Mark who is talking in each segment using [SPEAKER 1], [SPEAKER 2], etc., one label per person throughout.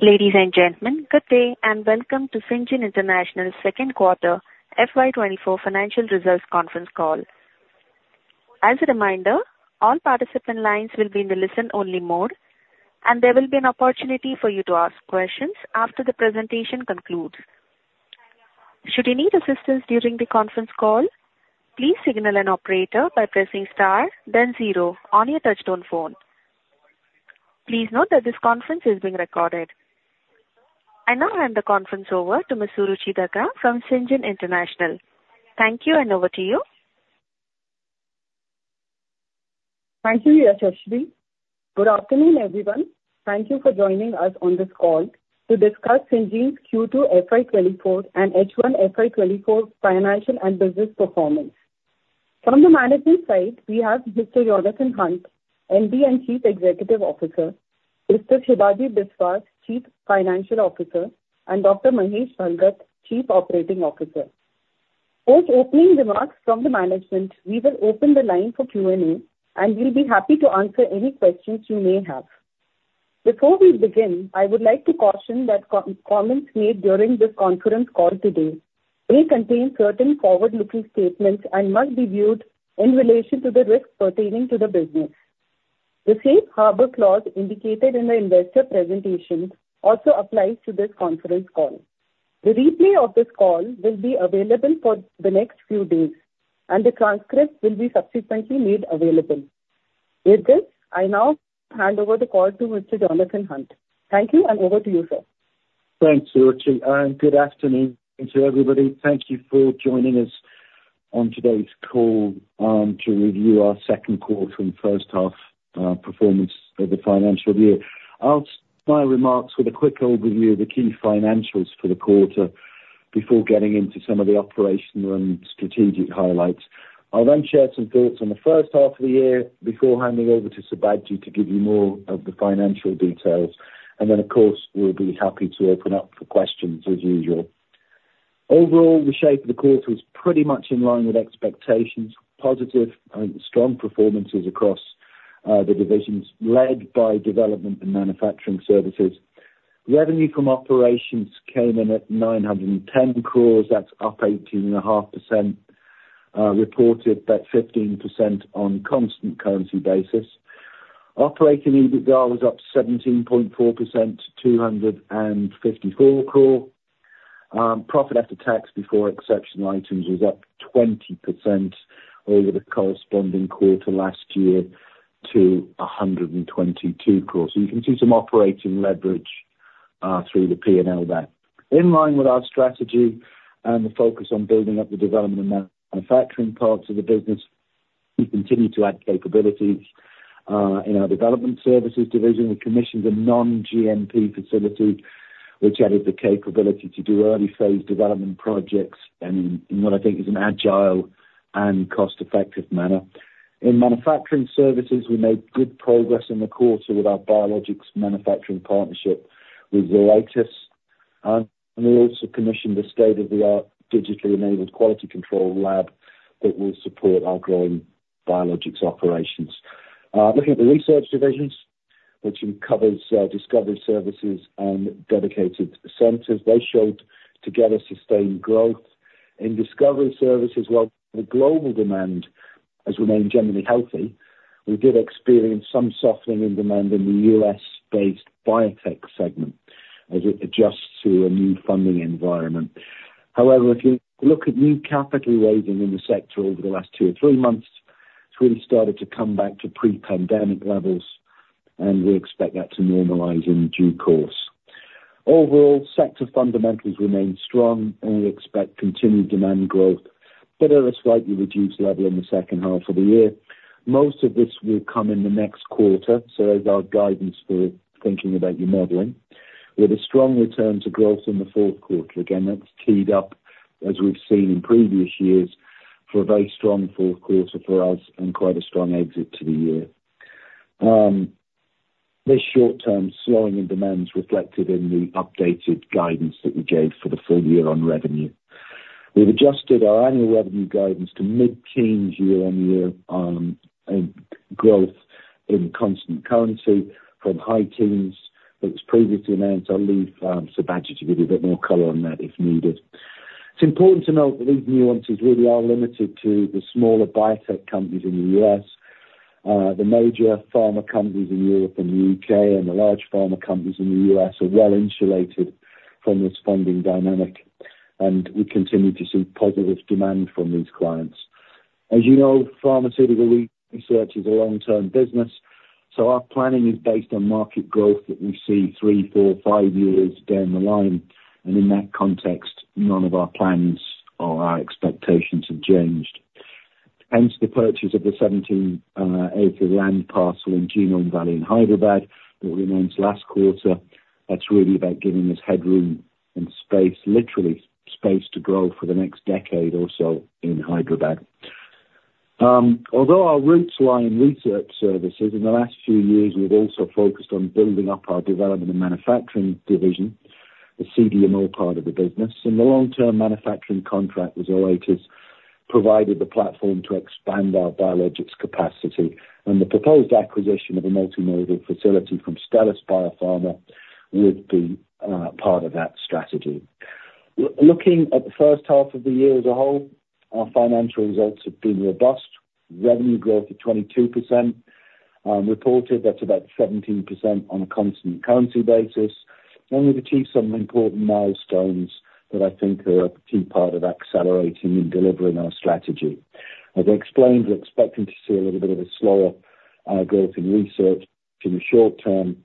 [SPEAKER 1] Ladies and gentlemen, good day, and welcome to Syngene International's second quarter FY 2024 financial results conference call. As a reminder, all participant lines will be in the listen-only mode, and there will be an opportunity for you to ask questions after the presentation concludes. Should you need assistance during the conference call, please signal an operator by pressing star then zero on your touchtone phone. Please note that this conference is being recorded. I now hand the conference over to Ms. Suruchi Daga from Syngene International. Thank you, and over to you.
[SPEAKER 2] Thank you, Yashaswi. Good afternoon, everyone. Thank you for joining us on this call to discuss Syngene's Q2 FY 2024 and H1 FY 2024 financial and business performance. From the management side, we have Mr. Jonathan Hunt, MD and Chief Executive Officer, Mr. Sibaji Biswas, Chief Financial Officer, and Dr. Mahesh Bhalgat, Chief Operating Officer. Post opening remarks from the management, we will open the line for Q&A, and we'll be happy to answer any questions you may have. Before we begin, I would like to caution that comments made during this conference call today may contain certain forward-looking statements and must be viewed in relation to the risks pertaining to the business. The safe harbor clause indicated in the investor presentation also applies to this conference call. The replay of this call will be available for the next few days, and the transcript will be subsequently made available. With this, I now hand over the call to Mr. Jonathan Hunt. Thank you, and over to you, sir.
[SPEAKER 3] Thanks, Suruchi, and good afternoon to everybody. Thank you for joining us on today's call to review our second quarter and first half performance of the financial year. I'll start my remarks with a quick overview of the key financials for the quarter before getting into some of the operational and strategic highlights. Then, of course, we'll be happy to open up for questions as usual. Overall, the shape of the quarter is pretty much in line with expectations, positive and strong performances across the divisions led by development and manufacturing services. Revenue from operations came in at 910 crore, that's up 18.5% reported, but 15% on constant currency basis. Operating EBITDA was up 17.4% to 254 crore. Profit after tax before exceptional items was up 20% over the corresponding quarter last year to 122 crore. So you can see some operating leverage through the P&L there. In line with our strategy and the focus on building up the development and manufacturing parts of the business, we continue to add capabilities. In our development services division, we commissioned a non-GMP facility, which added the capability to do early-phase development projects in what I think is an agile and cost-effective manner. In manufacturing services, we made good progress in the quarter with our biologics manufacturing partnership with Zoetis. And we also commissioned a state-of-the-art digitally-enabled quality control lab that will support our growing biologics operations. Looking at the research divisions, which covers discovery services and dedicated centers, they showed together sustained growth. In discovery services, while the global demand, as remained generally healthy, we did experience some softening in demand in the U.S.-based biotech segment as it adjusts to a new funding environment. However, if you look at new capital raising in the sector over the last two or three months, it's really started to come back to pre-pandemic levels, and we expect that to normalize in due course. Overall, sector fundamentals remain strong, and we expect continued demand growth, but at a slightly reduced level in the second half of the year. Most of this will come in the next quarter, so as our guidance for thinking about your modeling, with a strong return to growth in the fourth quarter. Again, that's teed up, as we've seen in previous years, for a very strong fourth quarter for us and quite a strong exit to the year. This short-term slowing in demand is reflected in the updated guidance that we gave for the full year on revenue. We've adjusted our annual revenue guidance to mid-teens year-on-year growth in constant currency from high teens that was previously announced. I'll leave Sibaji to give you a bit more color on that if needed. It's important to note that these nuances really are limited to the smaller biotech companies in the U.S. The major pharma companies in Europe and the U.K. and the large pharma companies in the U.S. are well insulated from this funding dynamic, and we continue to see positive demand from these clients. As you know, pharmaceutical research is a long-term business, so our planning is based on market growth that we see 3, 4, 5 years down the line. In that context, none of our plans or our expectations have changed. Hence, the purchase of the 17-acre land parcel in Genome Valley in Hyderabad, that we announced last quarter. That's really about giving us headroom and space, literally space to grow for the next decade or so in Hyderabad. Although our roots lie in research services, in the last few years, we've also focused on building up our development and manufacturing division, the CDMO part of the business, and the long-term manufacturing contract with Zoetis provided the platform to expand our biologics capacity, and the proposed acquisition of a multimodal facility from Stelis Biopharma would be part of that strategy. Looking at the first half of the year as a whole, our financial results have been robust. Revenue growth of 22% reported, that's about 17% on a constant currency basis, and we've achieved some important milestones that I think are a key part of accelerating and delivering our strategy. As I explained, we're expecting to see a little bit of a slower growth in research in the short term,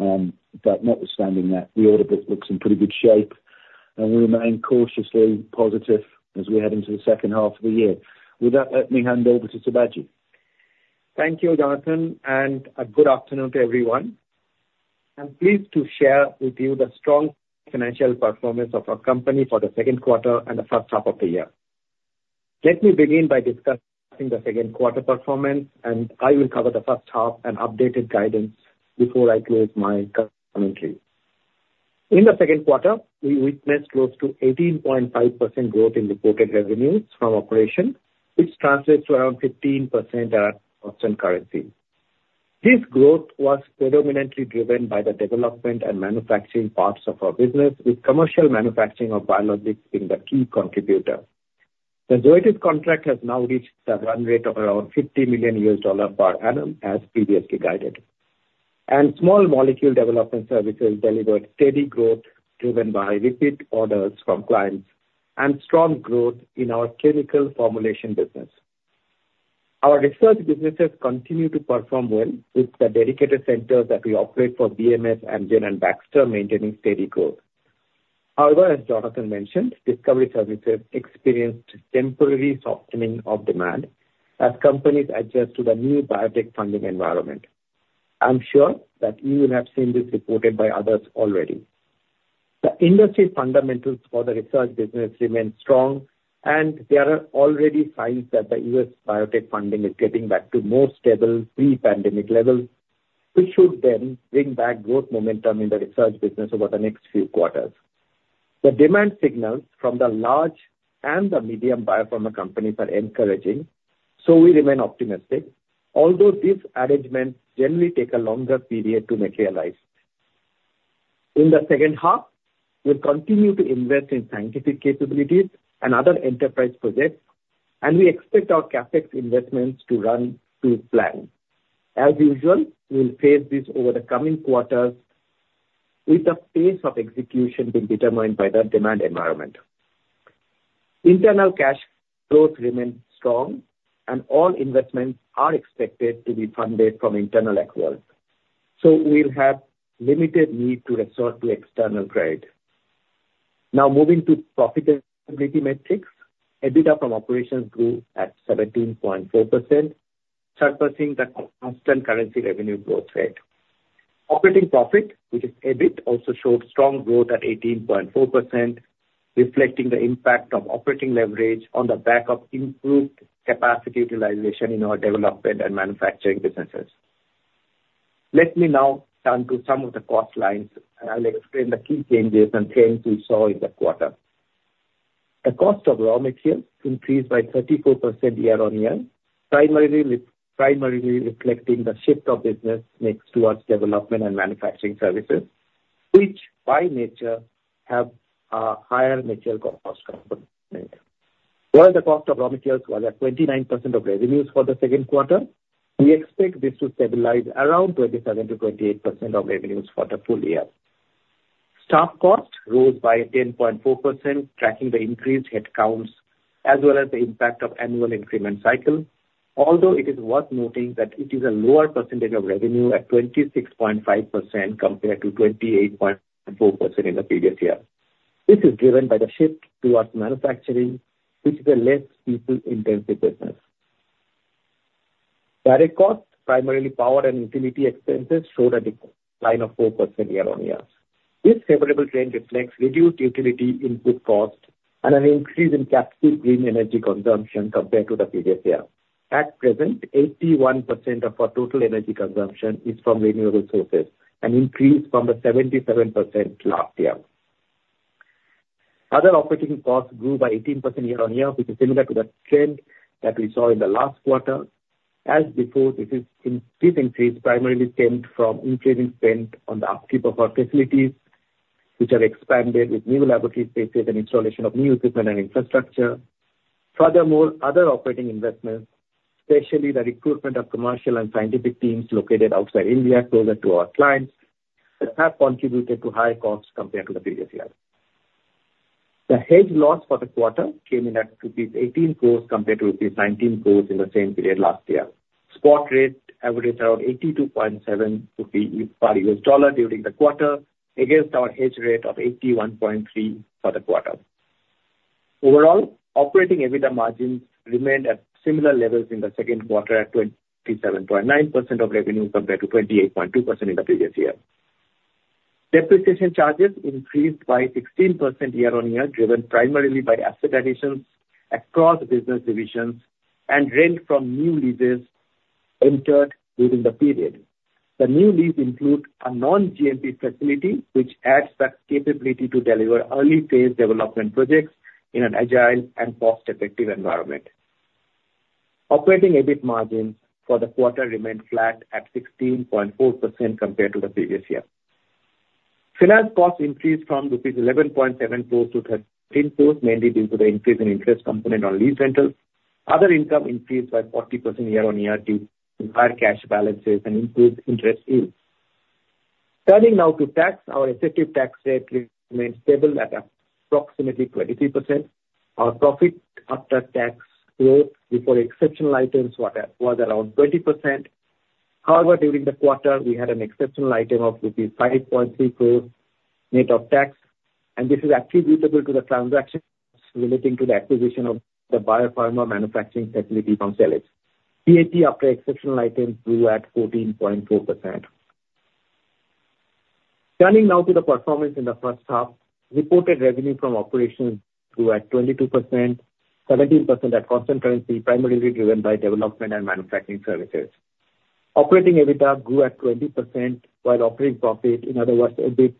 [SPEAKER 3] but notwithstanding that, the order book looks in pretty good shape, and we remain cautiously positive as we head into the second half of the year. With that, let me hand over to Sibaji.
[SPEAKER 4] Thank you, Jonathan, and a good afternoon to everyone. I'm pleased to share with you the strong financial performance of our company for the second quarter and the first half of the year. Let me begin by discussing the second quarter performance, and I will cover the first half and updated guidance before I close my commentary. In the second quarter, we witnessed close to 18.5% growth in reported revenues from operation, which translates to around 15% at constant currency. This growth was predominantly driven by the development and manufacturing parts of our business, with commercial manufacturing of biologics being the key contributor. The contract has now reached a run rate of around $50 million per annum, as previously guided. Small molecule development services delivered steady growth, driven by repeat orders from clients and strong growth in our clinical formulation business. Our research businesses continue to perform well with the dedicated centers that we operate for BMS, Amgen, and Baxter maintaining steady growth. However, as Jonathan mentioned, discovery services experienced temporary softening of demand as companies adjust to the new biotech funding environment. I'm sure that you will have seen this reported by others already. The industry fundamentals for the research business remain strong, and there are already signs that the U.S. biotech funding is getting back to more stable pre-pandemic levels, which should then bring back growth momentum in the research business over the next few quarters. The demand signals from the large and the medium biopharma companies are encouraging, so we remain optimistic, although these arrangements generally take a longer period to materialize. In the second half, we'll continue to invest in scientific capabilities and other enterprise projects, and we expect our CapEx investments to run to plan. As usual, we'll phase this over the coming quarters with the pace of execution being determined by the demand environment. Internal cash growth remains strong, and all investments are expected to be funded from internal equity, so we'll have limited need to resort to external credit. Now, moving to profitability metrics. EBITDA from operations grew at 17.4%, surpassing the constant currency revenue growth rate. Operating profit, which is EBIT, also showed strong growth at 18.4%, reflecting the impact of operating leverage on the back of improved capacity utilization in our development and manufacturing businesses. Let me now turn to some of the cost lines, and I'll explain the key changes and trends we saw in the quarter. The cost of raw materials increased by 34% year-on-year, primarily reflecting the shift of business mix towards development and manufacturing services, which, by nature, have a higher material cost component. While the cost of raw materials was at 29% of revenues for the second quarter, we expect this to stabilize around 27%-28% of revenues for the full year. Staff costs rose by 10.4%, tracking the increased headcounts as well as the impact of annual increment cycle. Although it is worth noting that it is a lower percentage of revenue at 26.5%, compared to 28.4% in the previous year. This is driven by the shift towards manufacturing, which is a less people-intensive business. Direct costs, primarily power and utility expenses, showed a decline of 4% year-on-year. This favorable trend reflects reduced utility input costs and an increase in captive green energy consumption compared to the previous year. At present, 81% of our total energy consumption is from renewable sources, an increase from the 77% last year. Other operating costs grew by 18% year-on-year, which is similar to the trend that we saw in the last quarter. As before, this increase primarily stemmed from increasing spend on the upkeep of our facilities, which have expanded with new laboratory spaces and installation of new equipment and infrastructure. Furthermore, other operating investments, especially the recruitment of commercial and scientific teams located outside India closer to our clients, have contributed to higher costs compared to the previous year. The hedge loss for the quarter came in at rupees 18 crore, compared to rupees 19 crore in the same period last year. Spot rate averaged around 82.7 rupee per U.S. dollar during the quarter, against our hedge rate of 81.3 for the quarter. Overall, operating EBITDA margins remained at similar levels in the second quarter, at 27.9% of revenue, compared to 28.2% in the previous year. Depreciation charges increased by 16% year-on-year, driven primarily by asset additions across business divisions and rent from new leases entered during the period. The new leases include a non-GMP facility, which adds the capability to deliver early-phase development projects in an agile and cost-effective environment. Operating EBIT margins for the quarter remained flat at 16.4% compared to the previous year. Finance costs increased from rupees 11.74 to 13.4, mainly due to the increase in interest component on lease rentals. Other income increased by 40% year-on-year due to higher cash balances and improved interest yields. Turning now to tax. Our effective tax rate remained stable at approximately 23%. Our profit after tax growth before exceptional items was around 20%. However, during the quarter, we had an exceptional item of rupees 5.34 net of tax, and this is attributable to the transactions relating to the acquisition of the biopharma manufacturing facility from Stelis. PAT after exceptional items grew at 14.4%. Turning now to the performance in the first half, reported revenue from operations grew at 22%, 17% at constant currency, primarily driven by development and manufacturing services. Operating EBITDA grew at 20%, while operating profit, in other words, EBIT,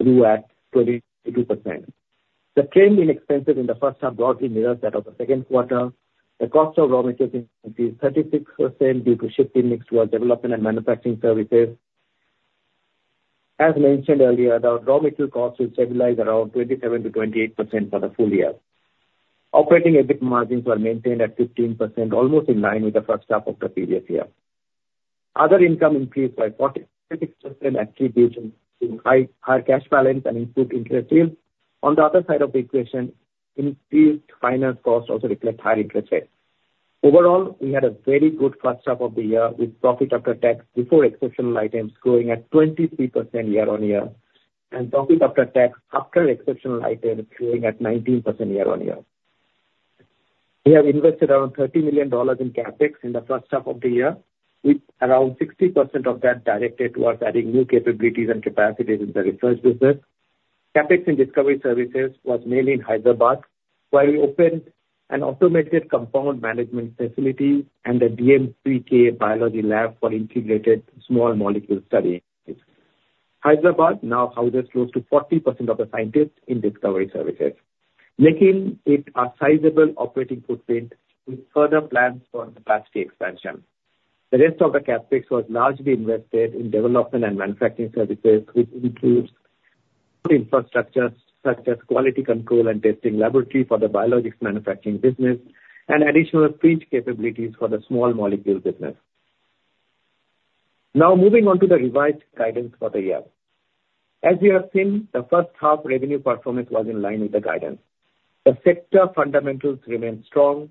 [SPEAKER 4] grew at 22%. The trend in expenses in the first half broadly mirrors that of the second quarter. The cost of raw materials increased 36% due to shifting mix towards development and manufacturing services. As mentioned earlier, the raw material costs will stabilize around 27%-28% for the full year. Operating EBIT margins were maintained at 15%, almost in line with the first half of the previous year. Other income increased by 46%, attributable to higher cash balance and improved interest yields. On the other side of the equation, increased finance costs also reflect higher interest rates. Overall, we had a very good first half of the year, with profit after tax before exceptional items growing at 23% year-on-year, and profit after tax after exceptional items growing at 19% year-on-year. We have invested around $30 million in CapEx in the first half of the year, with around 60% of that directed towards adding new capabilities and capacities in the research business. CapEx in Discovery Services was mainly in Hyderabad, where we opened an automated compound management facility and a DMPK biology lab for integrated small molecule studies. Hyderabad now houses close to 40% of the scientists in Discovery Services, making it a sizable operating footprint with further plans for capacity expansion. The rest of the CapEx was largely invested in development and manufacturing services, which includes infrastructure such as quality control and testing laboratory for the biologics manufacturing business and additional freeze capabilities for the small molecule business. Now moving on to the revised guidance for the year. As you have seen, the first half revenue performance was in line with the guidance. The sector fundamentals remain strong.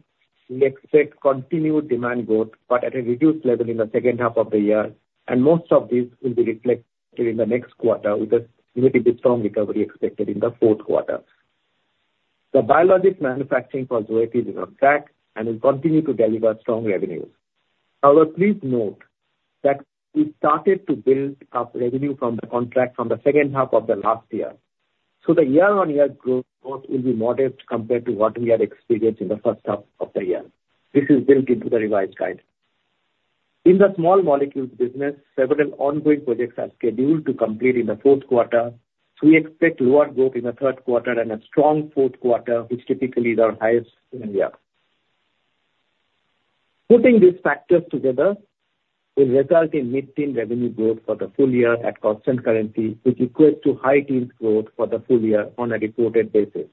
[SPEAKER 4] We expect continued demand growth, but at a reduced level in the second half of the year, and most of this will be reflected in the next quarter, with a relatively strong recovery expected in the fourth quarter. The biologics manufacturing for Zoetis is on track and will continue to deliver strong revenues. However, please note that we started to build up revenue from the contract from the second half of the last year, so the year-on-year growth will be modest compared to what we had experienced in the first half of the year. This is built into the revised guidance. In the small molecules business, several ongoing projects are scheduled to complete in the fourth quarter, so we expect lower growth in the third quarter and a strong fourth quarter, which typically is our highest in the year. Putting these factors together will result in mid-teen revenue growth for the full year at constant currency, which equates to high-teens growth for the full year on a reported basis.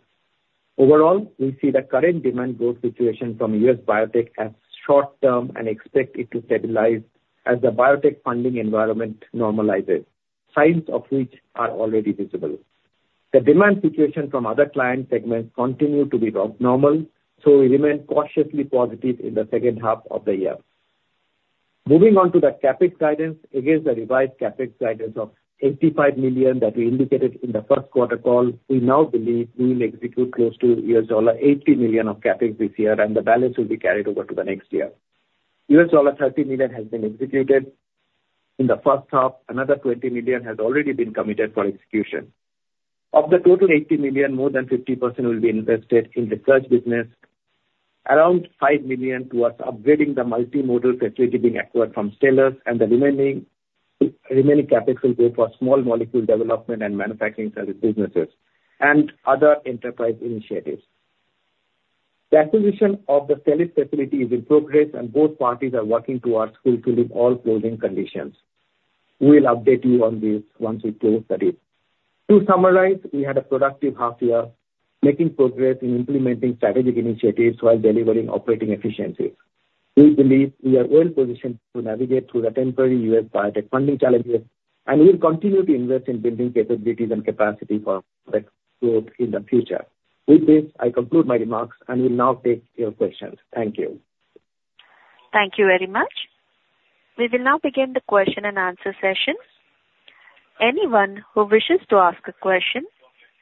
[SPEAKER 4] Overall, we see the current demand growth situation from U.S. biotech as short term and expect it to stabilize as the biotech funding environment normalizes, signs of which are already visible. The demand situation from other client segments continue to be normal, so we remain cautiously positive in the second half of the year. Moving on to the CapEx guidance. Against the revised CapEx guidance of $85 million that we indicated in the first quarter call, we now believe we will execute close to $80 million of CapEx this year, and the balance will be carried over to the next year. $30 million has been executed in the first half. Another $20 million has already been committed for execution. Of the total $80 million, more than 50% will be invested in the first business, around $5 million towards upgrading the multimodal facility being acquired from Stelis, and the remaining CapEx will go for small molecule development and manufacturing service businesses and other enterprise initiatives. The acquisition of the Stelis' facility is in progress, and both parties are working towards fulfilling all closing conditions. We will update you on this once we close the deal. To summarize, we had a productive half year, making progress in implementing strategic initiatives while delivering operating efficiency. We believe we are well positioned to navigate through the temporary U.S. biotech funding challenges, and we will continue to invest in building capabilities and capacity for growth in the future. With this, I conclude my remarks and will now take your questions. Thank you.
[SPEAKER 1] Thank you very much. We will now begin the question and answer session. Anyone who wishes to ask a question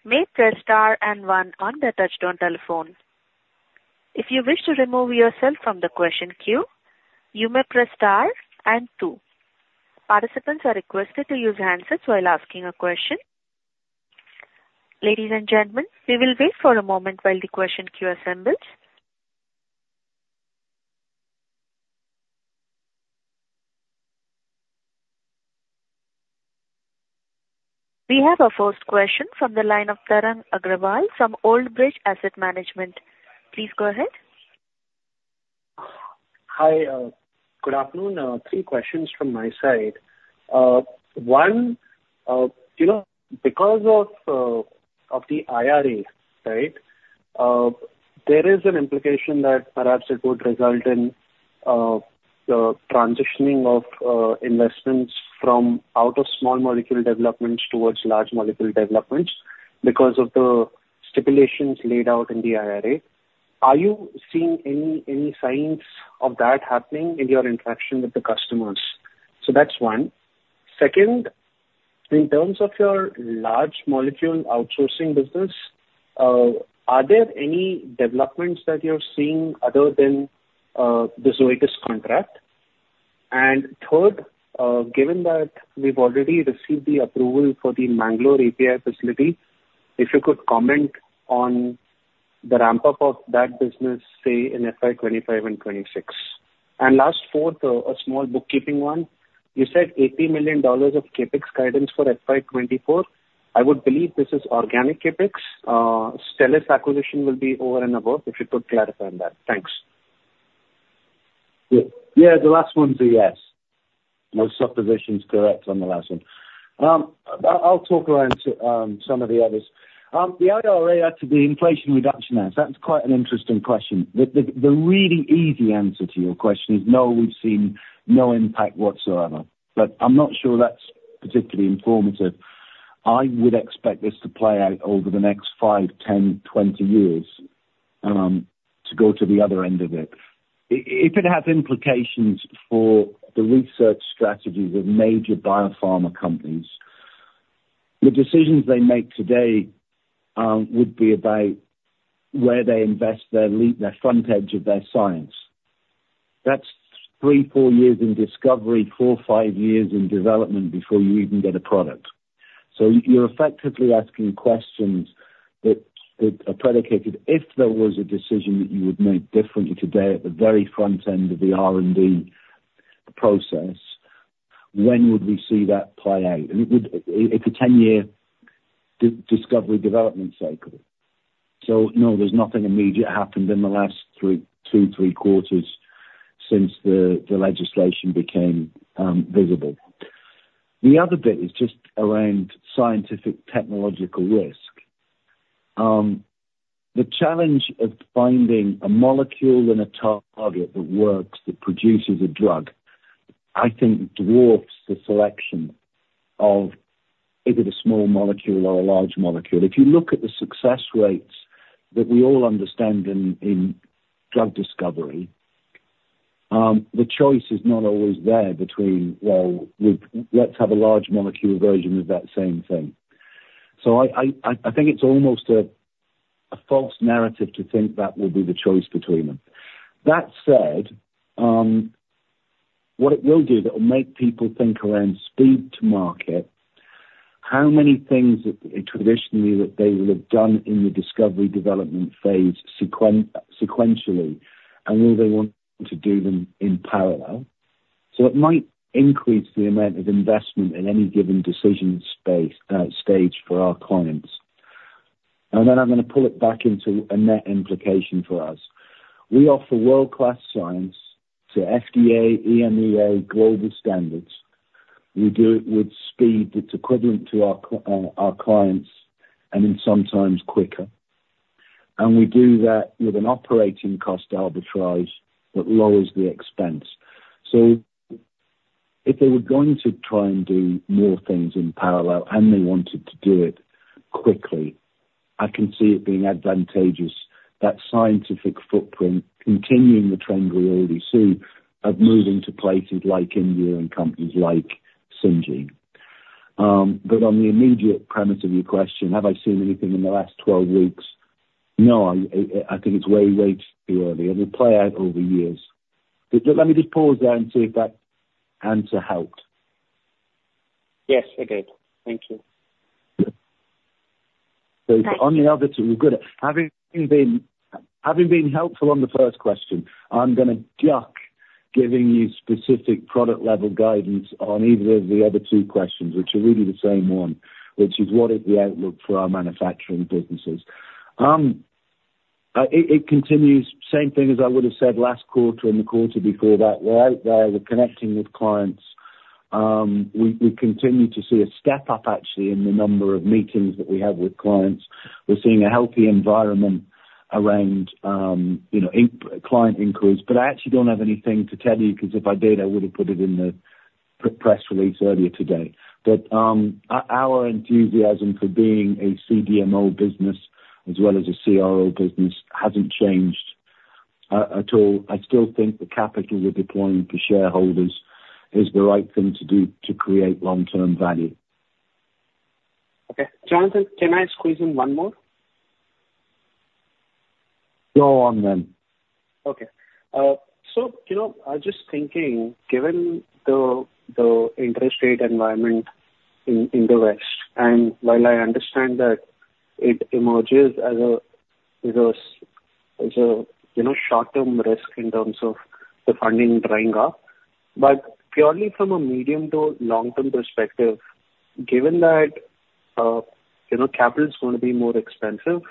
[SPEAKER 1] may press star and one on their touchtone telephone. If you wish to remove yourself from the question queue, you may press star and two. Participants are requested to use handsets while asking a question. Ladies and gentlemen, we will wait for a moment while the question queue assembles. We have our first question from the line of Tarang Agrawal from Old Bridge Asset Management. Please go ahead.
[SPEAKER 5] Hi, good afternoon. Three questions from my side. One, you know, because of the IRA, right, there is an implication that perhaps it would result in the transitioning of investments from out of small molecule developments towards large molecule developments because of the stipulations laid out in the IRA. Are you seeing any signs of that happening in your interaction with the customers? So that's one. Second, in terms of your large molecule outsourcing business, are there any developments that you're seeing other than the Zoetis contract? And third, given that we've already received the approval for the Mangalore API facility, if you could comment on the ramp-up of that business, say in FY 2025 and 2026. And last, fourth, a small bookkeeping one. You said $80 million of CapEx guidance for FY 2024. I would believe this is organic CapEx. Stelis acquisition will be over and above, if you could clarify on that. Thanks.
[SPEAKER 3] Yeah, the last one's a yes. No supposition is correct on the last one. I'll talk around to some of the others. The IRA, to the Inflation Reduction Act, that's quite an interesting question. The really easy answer to your question is no, we've seen no impact whatsoever, but I'm not sure that's particularly informative. I would expect this to play out over the next five, 10, 20 years, to go to the other end of it. If it has implications for the research strategy of major biopharma companies, the decisions they make today would be about where they invest their front edge of their science. That's three, four years in discovery, four, five years in development before you even get a product. So you're effectively asking questions that are predicated, if there was a decision that you would make differently today at the very front end of the R&D process, when would we see that play out? And it would. It's a 10-year discovery development cycle. So no, there's nothing immediate happened in the last two, three quarters since the legislation became visible. The other bit is just around scientific technological risk. The challenge of finding a molecule and a target that works, that produces a drug, I think dwarfs the selection of either the small molecule or a large molecule. If you look at the success rates that we all understand in drug discovery, the choice is not always there between, well, let's have a large molecule version of that same thing. So I think it's almost a false narrative to think that will be the choice between them. That said, what it will do that will make people think around speed to market, how many things that traditionally that they will have done in the discovery development phase sequentially, and will they want to do them in parallel? So it might increase the amount of investment in any given decision space, stage for our clients. And then I'm gonna pull it back into a net implication for us. We offer world-class science to FDA, EMA global standards. We do it with speed that's equivalent to our clients, and then sometimes quicker. And we do that with an operating cost arbitrage that lowers the expense. So if they were going to try and do more things in parallel, and they wanted to do it quickly, I can see it being advantageous, that scientific footprint, continuing the trend we already see of moving to places like India and companies like Syngene. But on the immediate premise of your question, have I seen anything in the last 12 weeks? No, I think it's way, way too early, and it'll play out over years. But let me just pause there and see if that answer helped.
[SPEAKER 5] Yes, it did. Thank you.
[SPEAKER 3] So on the other two, good. Having been helpful on the first question, I'm gonna duck giving you specific product level guidance on either of the other two questions, which are really the same one, which is what is the outlook for our manufacturing businesses? It continues. Same thing as I would have said last quarter and the quarter before that. We're out there, we're connecting with clients. We continue to see a step up actually, in the number of meetings that we have with clients. We're seeing a healthy environment around, you know, incoming client inquiries. But I actually don't have anything to tell you, because if I did, I would have put it in the press release earlier today. Our enthusiasm for being a CDMO business as well as a CRO business hasn't changed at all. I still think the capital we're deploying for shareholders is the right thing to do to create long-term value.
[SPEAKER 5] Okay. Jonathan, can I squeeze in one more?
[SPEAKER 3] Go on then.
[SPEAKER 4] Okay. So, you know, I was just thinking, given the interest rate environment in the West, and while I understand that it emerges as a, you know, short-term risk in terms of the funding drying up, but purely from a medium to long-term perspective, given that, you know, capital is going to be more expensive,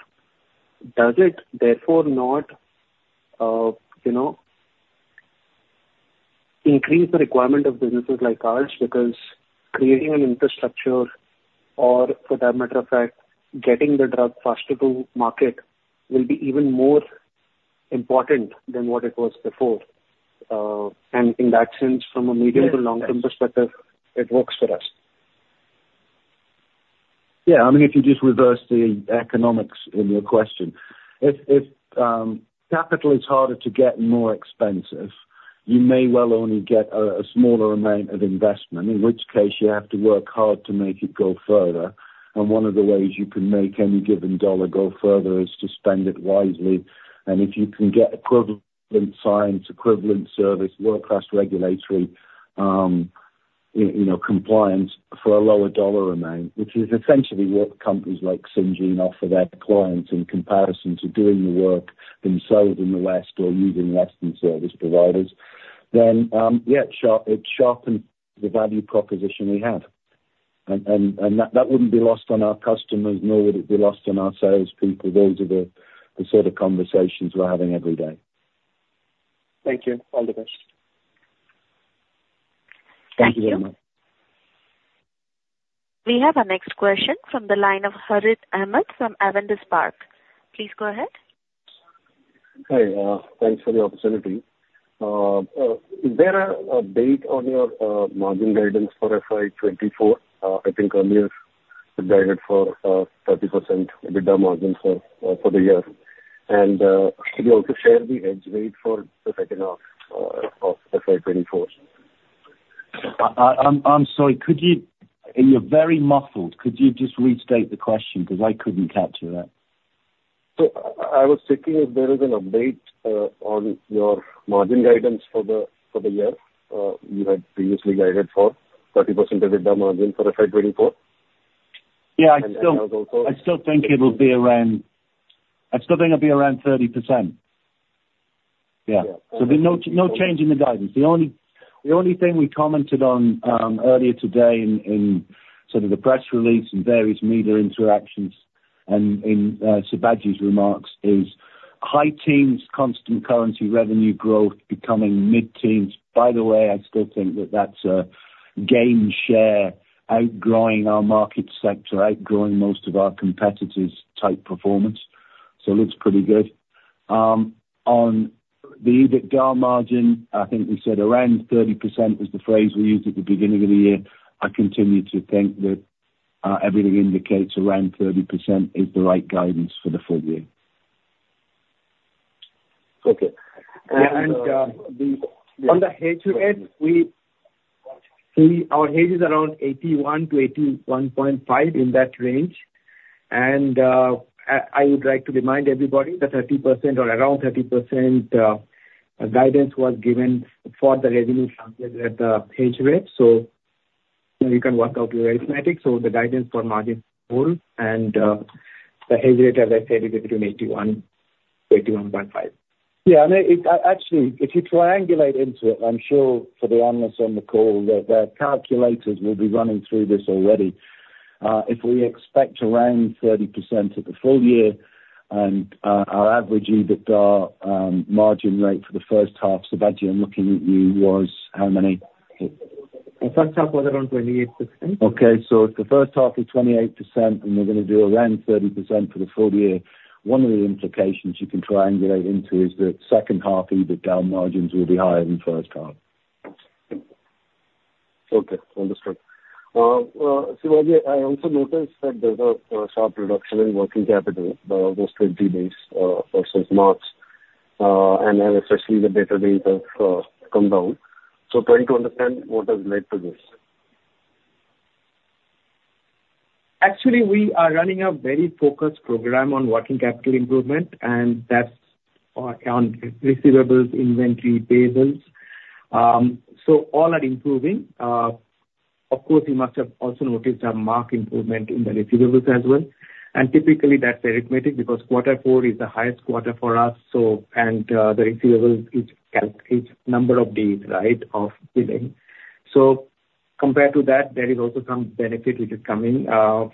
[SPEAKER 4] does it therefore not, you know, increase the requirement of businesses like ours? Because creating an infrastructure, or for that matter of fact, getting the drug faster to market, will be even more important than what it was before. And in that sense, from a medium to long-term perspective, it works for us.
[SPEAKER 3] Yeah. I mean, if you just reverse the economics in your question. If capital is harder to get and more expensive, you may well only get a smaller amount of investment, in which case you have to work hard to make it go further. And one of the ways you can make any given dollar go further is to spend it wisely. And if you can get equivalent science, equivalent service, world-class regulatory, you know, compliance for a lower dollar amount, which is essentially what companies like Syngene offer their clients in comparison to doing the work themselves in the West or using Western service providers, then yeah, it sharpens the value proposition we have. And that wouldn't be lost on our customers, nor would it be lost on our salespeople. Those are the sort of conversations we're having every day.
[SPEAKER 4] Thank you. All the best.
[SPEAKER 1] Thank you. We have our next question from the line of Harith Ahamed from Avendus Spark. Please go ahead.
[SPEAKER 6] Hi, thanks for the opportunity. Is there a date on your margin guidance for FY 2024? I think earlier you guided for 30% EBITDA margin for the year. Could you also share the hedge rate for the second half of FY 2024?
[SPEAKER 3] I'm sorry. Could you. You're very muffled. Could you just restate the question, because I couldn't capture that?
[SPEAKER 6] So I was checking if there is an update on your margin guidance for the year. You had previously guided for 30% EBITDA margin for FY 2024.
[SPEAKER 3] Yeah, I still.
[SPEAKER 6] And then also.
[SPEAKER 3] I still think it'll be around 30%. Yeah. So there's no change in the guidance. The only thing we commented on earlier today in sort of the press release and various media interactions and in Sibaji's remarks is high teens constant currency revenue growth becoming mid-teens. By the way, I still think that that's a gain share outgrowing our market sector, outgrowing most of our competitors type performance. So it looks pretty good. On the EBITDA margin, I think we said around 30% was the phrase we used at the beginning of the year. I continue to think that everything indicates around 30% is the right guidance for the full year.
[SPEAKER 6] Okay.
[SPEAKER 1] And, the.
[SPEAKER 4] On the hedge rate, our hedge is around 81-81.5, in that range. I would like to remind everybody that 30% or around 30% guidance was given for the revenue translated at the hedge rate, so you can work out your arithmetic. So the guidance for margin is full, and the hedge rate, as I said, is between 81-81.5.
[SPEAKER 3] Yeah, and it actually, if you triangulate into it, I'm sure for the analysts on the call, that their calculators will be running through this already. If we expect around 30% for the full year, and our average EBITDA margin rate for the first half, Sibaji, I'm looking at you, was how many?
[SPEAKER 4] The first half was around 28%.
[SPEAKER 3] Okay. So if the first half is 28%, and we're going to do around 30% for the full year, one of the implications you can triangulate into is that second half EBITDA margins will be higher than first half.
[SPEAKER 6] Okay. Understood. Sibaji, I also noticed that there's a sharp reduction in working capital over 30 days versus March, and then especially the debtor days have come down. So trying to understand what has led to this?
[SPEAKER 4] Actually, we are running a very focused program on working capital improvement, and that's on receivables, inventory, payables. So all are improving. Of course, you must have also noticed a marked improvement in the receivables as well, and typically that's arithmetic, because quarter four is the highest quarter for us, so, and, the receivables is, it's number of days, right? Of billing. So compared to that, there is also some benefit which is coming, on,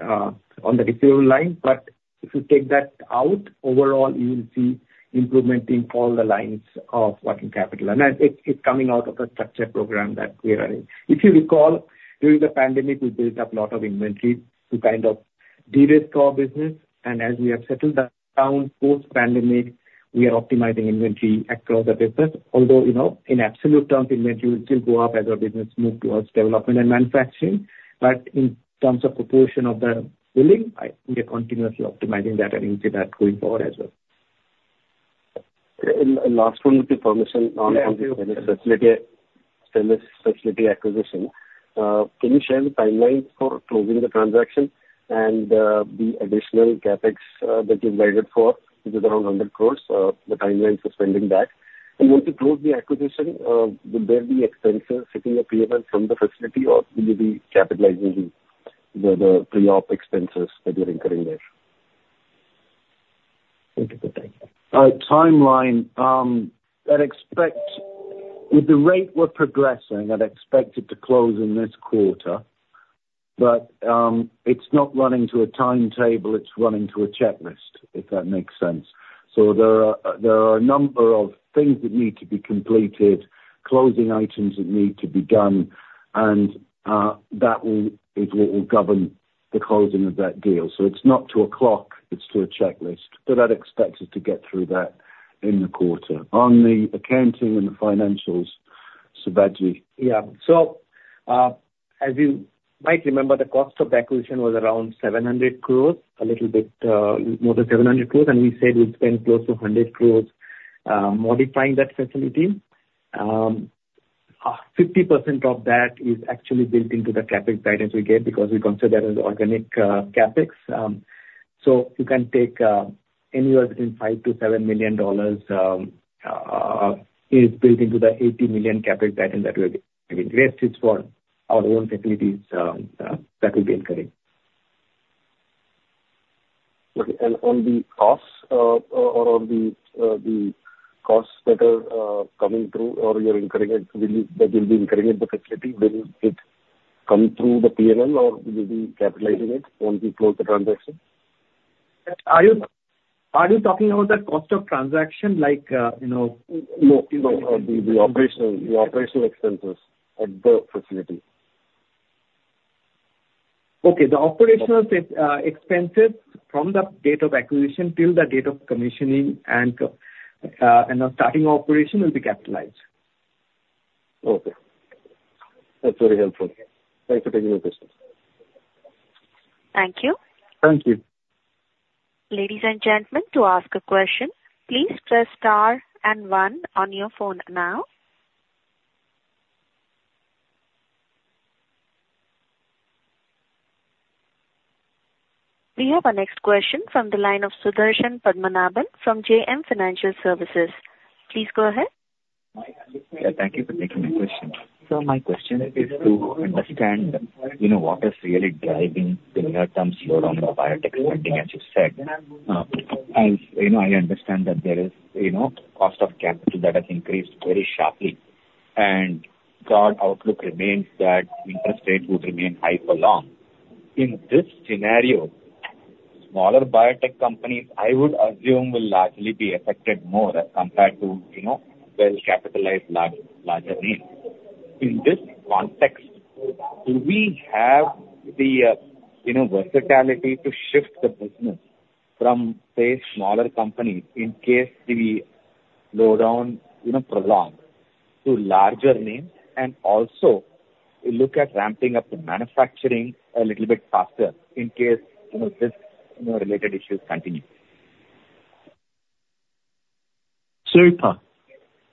[SPEAKER 4] on the receivable line. But if you take that out, overall, you will see improvement in all the lines of working capital. And it's coming out of a structured program that we are in. If you recall, during the pandemic, we built up a lot of inventory to kind of de-risk our business, and as we have settled that down, post-pandemic, we are optimizing inventory across the business. Although, you know, in absolute terms, inventory will still go up as our business move towards development and manufacturing. But in terms of proportion of the billing, I think we are continuously optimizing that and into that going forward as well.
[SPEAKER 6] Last one, with your permission, on. Stelis facility acquisition. Can you share the timelines for closing the transaction and the additional CapEx that you've guided for, which is around 100 crore, the timelines for spending that? And once you close the acquisition, will there be expenses sitting or payment from the facility, or will you be capitalizing the pre-op expenses that you're incurring there? Thank you for taking my call.
[SPEAKER 3] Timeline, I'd expect with the rate we're progressing, I'd expect it to close in this quarter. But, it's not running to a timetable, it's running to a checklist, if that makes sense. So there are, there are a number of things that need to be completed, closing items that need to be done, and, that will, is what will govern the closing of that deal. So it's not to a clock, it's to a checklist. But I'd expect us to get through that in the quarter. On the accounting and the financials, Sibaji.
[SPEAKER 4] Yeah. So, as you might remember, the cost of the acquisition was around 700 crore, a little bit more than 700 crore, and we said we'd spend close to 100 crore modifying that facility. 50% of that is actually built into the CapEx guidance we gave, because we consider it as organic CapEx. So you can take anywhere between $5 million-$7 million is built into the $80 million CapEx guidance that we have given. The rest is for our own facilities that we'll be incurring.
[SPEAKER 3] Okay. And on the costs, or the costs that are coming through, or you're incurring it, will it come through the PNL, or will you be capitalizing it once you close the transaction?
[SPEAKER 4] Are you talking about the cost of transaction, like, you know?
[SPEAKER 3] No, no, the operational expenses at the facility.
[SPEAKER 4] Okay. The operational expenses from the date of acquisition till the date of commissioning and starting operation will be capitalized.
[SPEAKER 3] Okay. That's very helpful. Thank you for taking my questions.
[SPEAKER 1] Thank you.
[SPEAKER 3] Thank you.
[SPEAKER 1] Ladies and gentlemen, to ask a question, please press star and one on your phone now. We have our next question from the line of Sudarshan Padmanabhan from JM Financial Services. Please go ahead.
[SPEAKER 7] Yeah, thank you for taking my question. So my question is to understand, you know, what is really driving the near-term slowdown in the biotech spending, as you said. As you know, I understand that there is, you know, cost of capital that has increased very sharply, and current outlook remains that interest rates would remain high for long. In this scenario, smaller biotech companies, I would assume, will largely be affected more as compared to, you know, well-capitalized large, larger names. In this context, do we have the, you know, versatility to shift the business from, say, smaller companies, in case the slowdown, you know, prolong, to larger names, and also look at ramping up the manufacturing a little bit faster in case, you know, this, you know, related issues continue?
[SPEAKER 3] Super!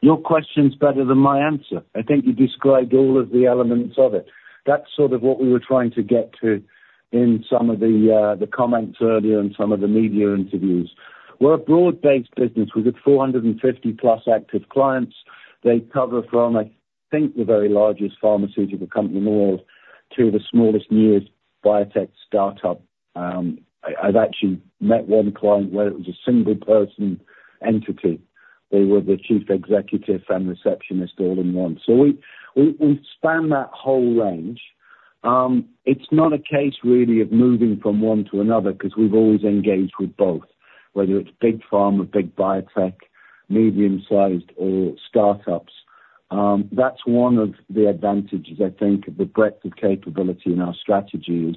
[SPEAKER 3] Your question's better than my answer. I think you described all of the elements of it. That's sort of what we were trying to get to in some of the comments earlier and some of the media interviews. We're a broad-based business. We've got 450+ active clients. They cover from, I think, the very largest pharmaceutical company in the world to the smallest, newest biotech startup. I've actually met one client where it was a single person entity. They were the chief executive and receptionist all-in-one. So we span that whole range. It's not a case really of moving from one to another, 'cause we've always engaged with both, whether it's big pharma, big biotech, medium-sized or startups. That's one of the advantages, I think, of the breadth of capability in our strategy is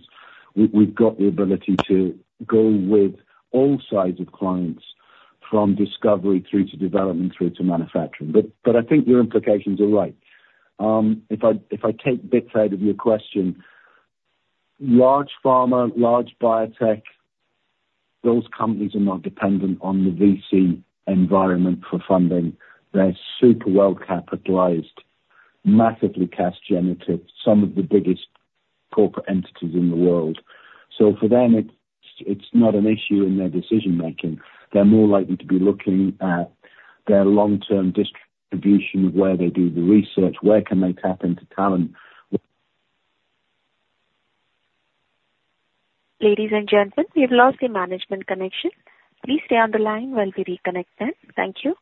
[SPEAKER 3] we've got the ability to go with all sides of clients, from discovery through to development, through to manufacturing. But I think your implications are right. If I take bits out of your question, large pharma, large biotech, those companies are not dependent on the VC environment for funding. They're super well-capitalized, massively cash generative, some of the biggest corporate entities in the world. So for them, it's not an issue in their decision making. They're more likely to be looking at their long-term distribution of where they do the research, where can they tap into talent, where-
[SPEAKER 1] Ladies and gentlemen, we've lost the management connection. Please stay on the line while we reconnect them. Thank you.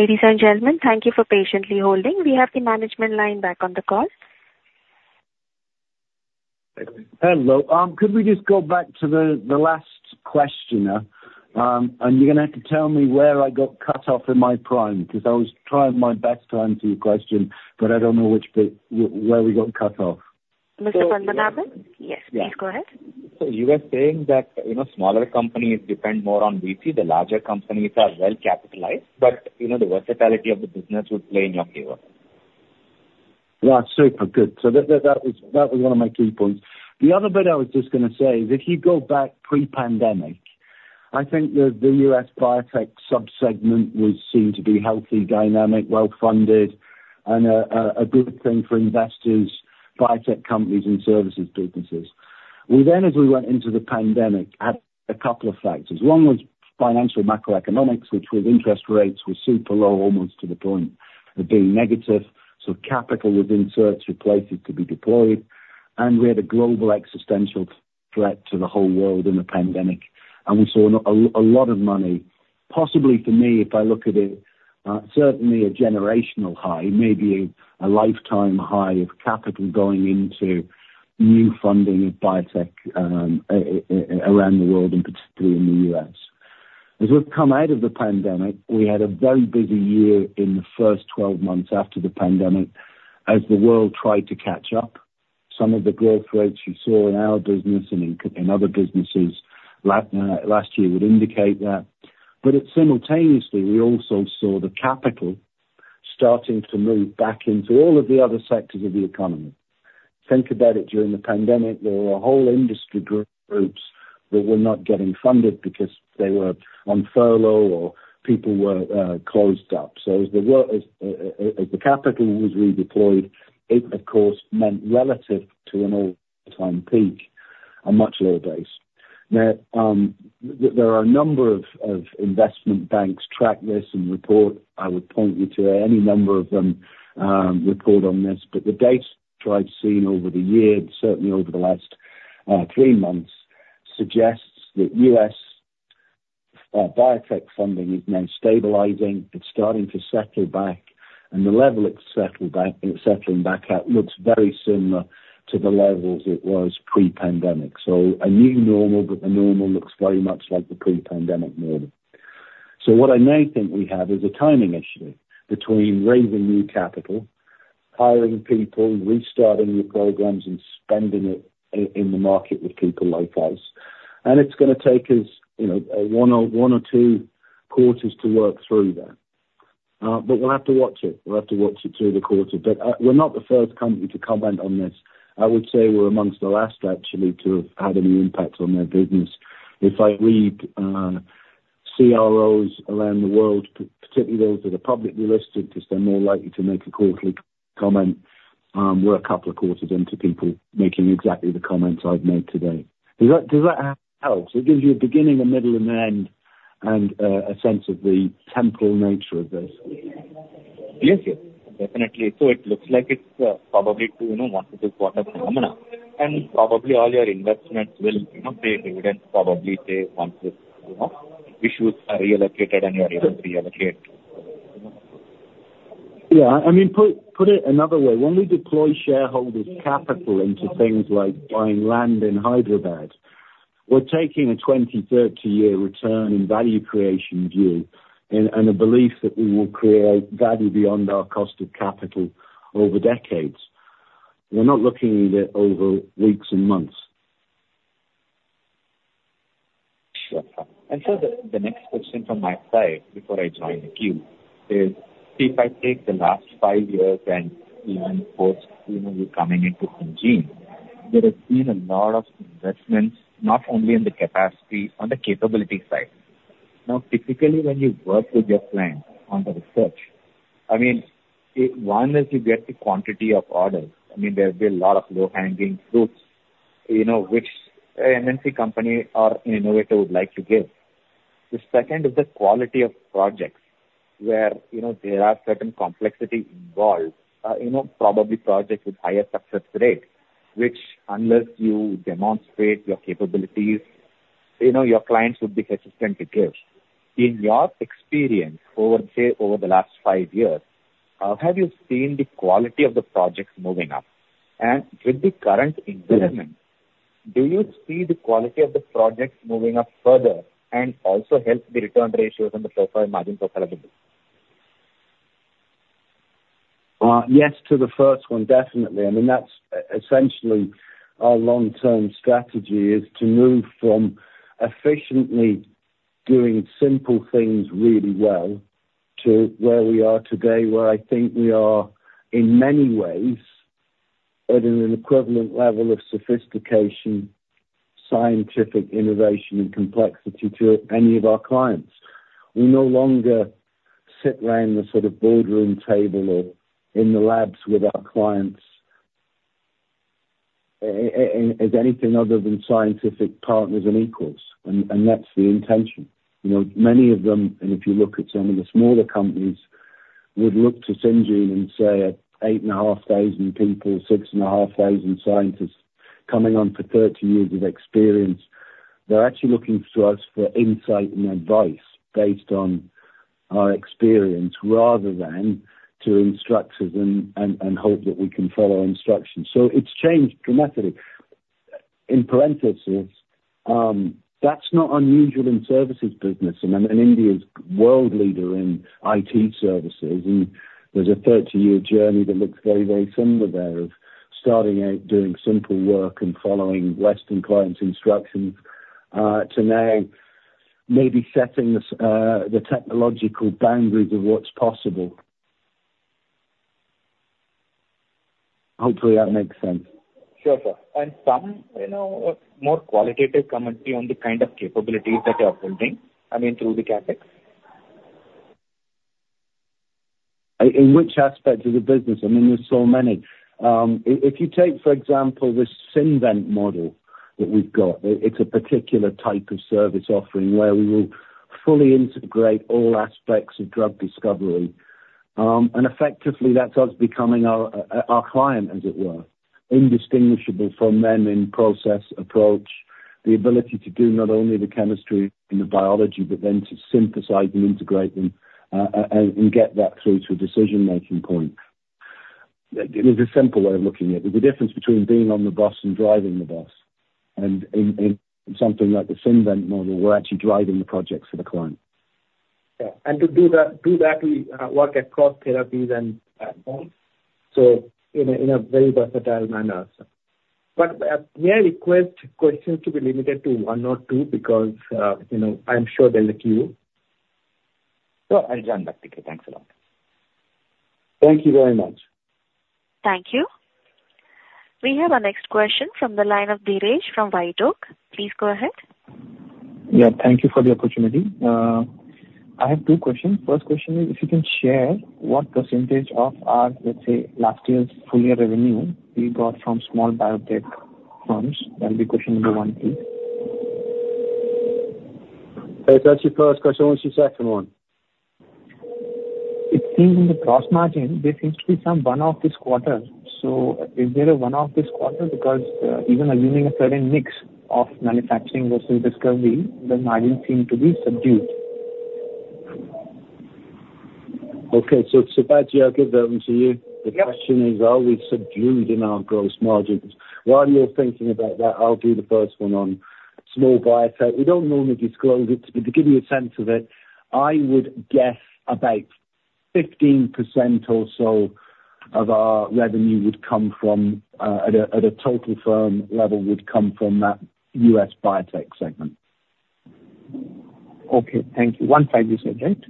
[SPEAKER 1] Ladies and gentlemen, thank you for patiently holding. We have the management line back on the call.
[SPEAKER 3] Hello. Could we just go back to the last questioner? And you're gonna have to tell me where I got cut off in my prime, 'cause I was trying my best to answer your question, but I don't know which bit where we got cut off.
[SPEAKER 1] Mr. Padmanabhan? Yes, please go ahead.
[SPEAKER 7] So you were saying that, you know, smaller companies depend more on VC. The larger companies are well capitalized, but, you know, the versatility of the business would play in your favor.
[SPEAKER 3] Yeah. Super good. So that was, that was one of my key points. The other bit I was just gonna say is, if you go back pre-pandemic, I think that the U.S. biotech sub-segment was seen to be healthy, dynamic, well-funded and a good thing for investors, biotech companies and services businesses. We then, as we went into the pandemic, had a couple of factors. One was financial macroeconomics, which with interest rates, were super low, almost to the point of being negative, so capital was in search of places to be deployed, and we had a global existential threat to the whole world in the pandemic. We saw a lot of money, possibly for me, if I look at it, certainly a generational high, maybe a lifetime high of capital going into new funding of biotech, around the world, and particularly in the U.S. As we've come out of the pandemic, we had a very busy year in the first 12 months after the pandemic, as the world tried to catch up. Some of the growth rates you saw in our business and in other businesses last year would indicate that. But simultaneously, we also saw the capital starting to move back into all of the other sectors of the economy. Think about it, during the pandemic, there were a whole industry groups that were not getting funded because they were on furlough or people were closed up. So as the world, as, as the capital was redeployed, it of course meant relative to an all-time peak, a much lower base. Now, there are a number of investment banks track this and report. I would point you to any number of them, report on this, but the data which I've seen over the years, certainly over the last three months, suggests that U.S. biotech funding is now stabilizing. It's starting to settle back, and the level it's settled back, it's settling back at, looks very similar to the levels it was pre-pandemic. So a new normal, but the normal looks very much like the pre-pandemic normal. So what I now think we have is a timing issue between raising new capital, hiring people, restarting new programs and spending it in the market with people like us. And it's gonna take us, you know, one or two quarters to work through that. But we'll have to watch it. We'll have to watch it through the quarter. But we're not the first company to comment on this. I would say we're amongst the last actually, to have had any impact on their business. If I read CROs around the world, particularly those that are publicly listed, because they're more likely to make a quarterly comment, we're a couple of quarters into people making exactly the comments I've made today. Does that help? So it gives you a beginning, a middle and an end and a sense of the temporal nature of this.
[SPEAKER 7] Yes, yes. Definitely. So it looks like it's probably to, you know, one to two quarter phenomena, and probably all your investments will, you know, pay dividends, probably say once this, you know, issues are reallocated and you are able to reallocate.
[SPEAKER 3] Yeah, I mean, put it another way. When we deploy shareholders' capital into things like buying land in Hyderabad, we're taking a 20-30-year return in value creation view, and a belief that we will create value beyond our cost of capital over decades. We're not looking at it over weeks and months.
[SPEAKER 7] Sure. And so the next question from my side, before I join the queue, is: if I take the last five years and even post, you know, you coming into Syngene, there has been a lot of investments, not only in the capacity, on the capability side. Now, typically, when you work with your clients on the research, I mean, it, one, is you get the quantity of orders. I mean, there'll be a lot of low-hanging fruits, you know, which a MNC company or an innovator would like to give. The second is the quality of projects where, you know, there are certain complexity involved, you know, probably projects with higher success rate, which unless you demonstrate your capabilities, you know, your clients would be hesitant to give. In your experience over, say, over the last five years, have you seen the quality of the projects moving up? And with the current environment, do you see the quality of the projects moving up further and also help the return ratios and the profit margin profitability?
[SPEAKER 3] Yes, to the first one, definitely. I mean, that's essentially our long-term strategy, is to move from efficiently doing simple things really well to where we are today, where I think we are, in many ways, at an equivalent level of sophistication, scientific innovation, and complexity to any of our clients. We no longer sit around the sort of boardroom table or in the labs with our clients and as anything other than scientific partners and equals, and that's the intention. You know, many of them, and if you look at some of the smaller companies, would look to Syngene and say, 8,500 people, 6,500 scientists, coming on for 30 years of experience. They're actually looking to us for insight and advice based on our experience, rather than to instruct us and hope that we can follow instructions. So it's changed dramatically. In parentheses, that's not unusual in services business, and then India's world leader in IT services, and there's a 30-year journey that looks very, very similar there, of starting out doing simple work and following Western clients' instructions, to now maybe setting the technological boundaries of what's possible. Hopefully, that makes sense.
[SPEAKER 4] Sure, sir. Some, you know, more qualitative commentary on the kind of capabilities that you are building, I mean, through the CapEx.
[SPEAKER 3] In which aspect of the business? I mean, there's so many. If you take, for example, this SynVent model that we've got, it's a particular type of service offering where we will fully integrate all aspects of drug discovery. And effectively, that's us becoming our, our client, as it were, indistinguishable from them in process, approach, the ability to do not only the chemistry and the biology, but then to synthesize and integrate them, and get that through to a decision-making point. There's a simple way of looking at it. The difference between being on the bus and driving the bus, and in something like the SynVent model, we're actually driving the projects for the client.
[SPEAKER 4] Yeah. To do that, we work across therapies and so in a very versatile manner. But may I request questions to be limited to one or two, because you know, I'm sure there's a queue. So I'll join back. Thank you. Thanks a lot.
[SPEAKER 3] Thank you very much.
[SPEAKER 1] Thank you. We have our next question from the line of Dheeresh from White Oak. Please go ahead.
[SPEAKER 8] Yeah, thank you for the opportunity. I have two questions. First question is, if you can share what percentage of our, let's say, last year's full year revenue we got from small biotech firms? That will be question number one, please.
[SPEAKER 3] Okay, so that's your first question. What's your second one?
[SPEAKER 8] It seems in the gross margin, there seems to be some one-off this quarter. So is there a one-off this quarter? Because, even assuming a certain mix of manufacturing versus discovery, the margins seem to be subdued.
[SPEAKER 3] Okay. So, Sibaji, I'll give that one to you.
[SPEAKER 4] Yep.
[SPEAKER 8] The question is, are we subdued in our gross margins? While you're thinking about that, I'll do the first one on small biotech. We don't normally disclose it, but to give you a sense of it, I would guess about 15% or so of our revenue would come from, at a, at a total firm level, would come from that U.S. biotech segment.
[SPEAKER 4] Okay, thank you. One second, please, okay.
[SPEAKER 8] The on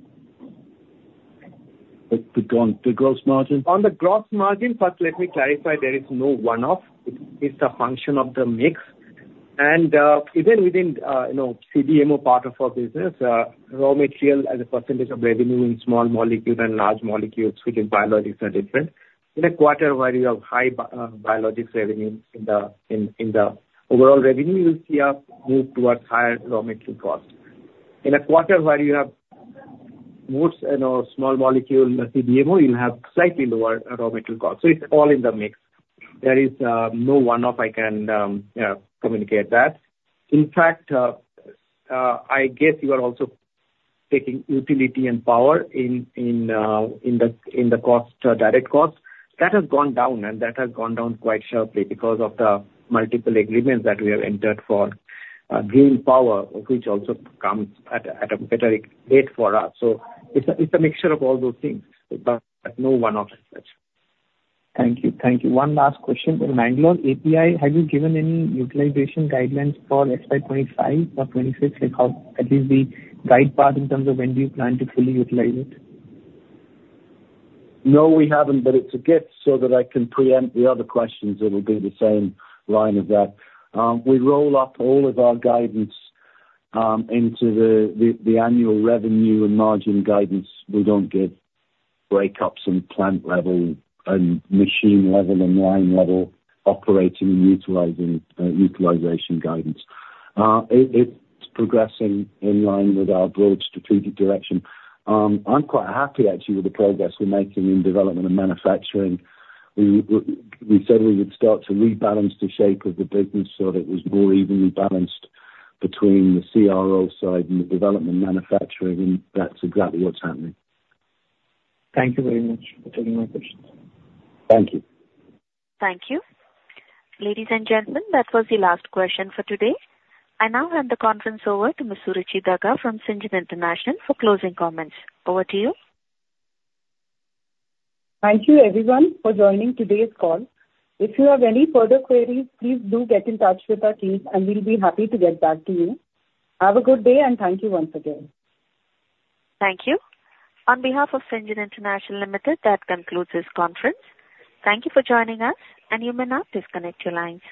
[SPEAKER 8] the gross margin?
[SPEAKER 4] On the gross margin, first, let me clarify, there is no one-off. It's a function of the mix. Even within, you know, CDMO part of our business, raw material as a percentage of revenue in small molecules and large molecules, which in biologics are different. In a quarter where you have high biologics revenue in the overall revenue, you see a move towards higher raw material costs. In a quarter where you have more, you know, small molecule CDMO, you'll have slightly lower raw material costs. So it's all in the mix. There is no one-off I can communicate that. In fact, I guess you are also taking utility and power in the direct costs.
[SPEAKER 8] That has gone down, and that has gone down quite sharply because of the multiple agreements that we have entered for green power, which also comes at a better rate for us. So it's a mixture of all those things, but no one-off as such. Thank you. Thank you. One last question. In Mangalore API, have you given any utilization guidelines for FY 2025 or 2026, like, howAt least the guide path in terms of when do you plan to fully utilize it?
[SPEAKER 3] No, we haven't, but it's a gift so that I can preempt the other questions that will be the same line of that. We roll up all of our guidance into the annual revenue and margin guidance. We don't give breakups in plant level and machine level and line level operating and utilizing, utilization guidance. It's progressing in line with our broad strategic direction. I'm quite happy actually with the progress we're making in development and manufacturing. We said we would start to rebalance the shape of the business so that it was more evenly balanced between the CRO side and the development manufacturing, and that's exactly what's happening.
[SPEAKER 8] Thank you very much for taking my questions.
[SPEAKER 3] Thank you.
[SPEAKER 1] Thank you. Ladies and gentlemen, that was the last question for today. I now hand the conference over to Ms. Suruchi Daga from Syngene International for closing comments. Over to you.
[SPEAKER 2] Thank you everyone for joining today's call. If you have any further queries, please do get in touch with our team, and we'll be happy to get back to you. Have a good day, and thank you once again.
[SPEAKER 1] Thank you. On behalf of Syngene International Limited, that concludes this conference. Thank you for joining us, and you may now disconnect your lines.